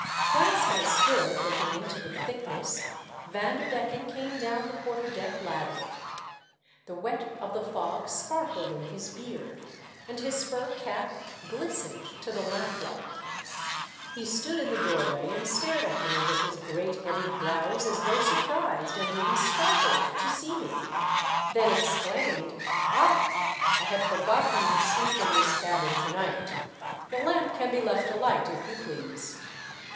Whilst I stood looking into the thickness, Vanderdecken came down the quarter deck ladder. The wet of the fog sparkled in his beard, and his fur cap glistened to the lamp 488 THE DEATH SHIP, liQ ht. He stood In the doorwav and stared at me under his great heavy brows as though surprised, and even startled, to see me ; then exclaimed, '' Ach, I had forgotten you sleep in this cabin to night. The lamp can be left alight, if you please."